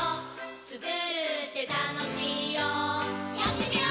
つくるってたのしいよやってみよー！